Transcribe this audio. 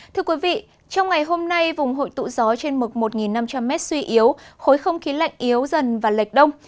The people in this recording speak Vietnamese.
thưa quý vị trong ngày hôm nay vùng hội tụ gió trên mực một năm trăm linh m suy yếu khối không khí lạnh yếu dần và lệch đông